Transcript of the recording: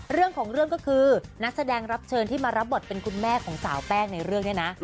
เรื่องของเรื่องก็คือนักแสดงรับเชิญที่มารับบทเป็นคุณแม่ของสาวแป้งในเรื่องนี้นะ